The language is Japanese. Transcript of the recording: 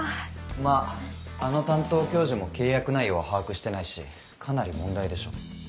まぁあの担当教授も契約内容は把握してないしかなり問題でしょ。